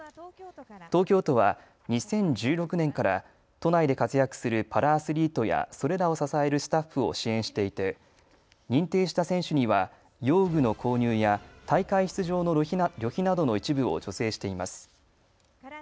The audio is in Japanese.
東京都は２０１６年から都内で活躍するパラアスリートやそれらを支えるスタッフを支援していて認定した選手には用具の購入や大会出場の旅費などの一部を助成しています。